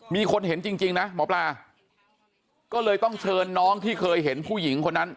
มีคนเห็นจริงนะหมอปลาก็เลยต้องเชิญน้องที่เคยเห็นผู้หญิงคนนั้น